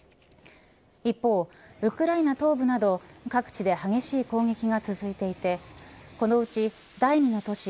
一方、ウクライナ東部など各地で激しい攻撃が続いていてこのうち第２の都市